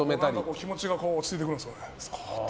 気持ちが落ち着いてくるんですよね。